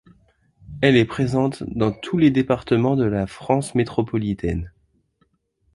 Elle est présente dans tous les départements de la France métropolitaine.